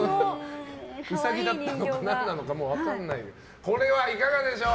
ウサギだったのか何なのか分からない。